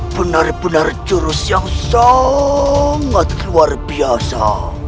benar benar jurus yang sangat luar biasa